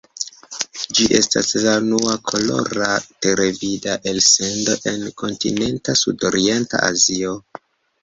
Ĝi estas la unua kolora televida elsendo en Kontinenta Sudorienta Azio.